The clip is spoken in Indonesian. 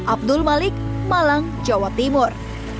abdul malik malang jawa timur